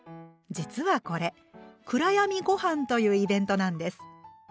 実はこれ「暗闇ごはん」というイベントなんです。